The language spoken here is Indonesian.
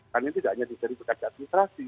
karena tidak hanya diberikan verifikasi administrasi